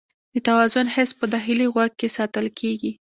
د توازن حس په داخلي غوږ کې ساتل کېږي.